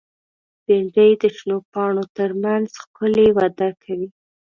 بېنډۍ د شنو پاڼو تر منځ ښکلي وده کوي